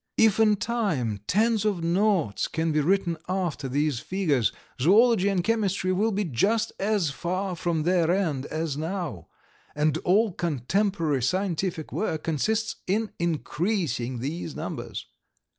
If in time tens of noughts can be written after these figures, Zoology and chemistry will be just as far from their end as now, and all contemporary scientific work consists in increasing these numbers.